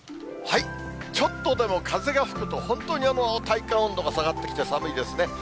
ちょっとでも風が吹くと、本当に体感温度が下がってきて、寒いですね。